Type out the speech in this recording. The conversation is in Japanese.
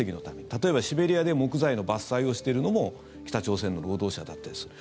例えばシベリアで木材の伐採をしているのも北朝鮮の労働者だったりする。